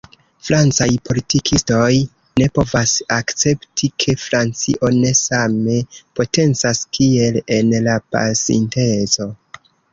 Francaj politikistoj ne povas akcepti, ke Francio ne same potencas kiel en la pasinteco.